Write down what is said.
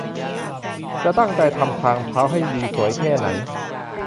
จะตั้งใจทำทางเท้าให้ดีสวยแค่ไหน